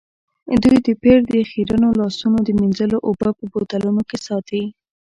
دوی د پیر د خیرنو لاسونو د مینځلو اوبه په بوتلونو کې ساتي.